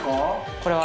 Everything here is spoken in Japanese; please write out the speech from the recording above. これは。